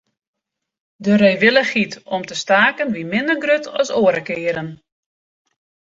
De reewillichheid om te staken wie minder grut as oare kearen.